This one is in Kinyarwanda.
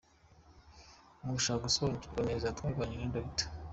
Mu gushaka gusobanukirwa neza, twaganiriye na Dr.